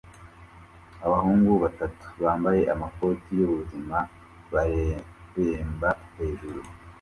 Abahungu batatu bambaye amakoti y'ubuzima bareremba hejuru